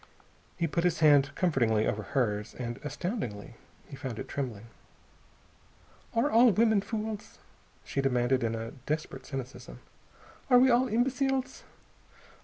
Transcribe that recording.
He put his hand comfortingly over hers. And, astoundingly, he found it trembling. "Are all women fools?" she demanded in a desperate cynicism. "Are we all imbeciles?